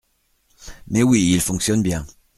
Mais oui ! il fonctionne bien !…